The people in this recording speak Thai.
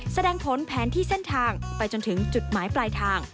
แสดงผลแผนที่เส้นทางไปจนถึงจุดหมายปลายทาง